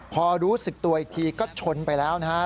พอรู้สึกตัวอีกทีก็ชนไปแล้วนะฮะ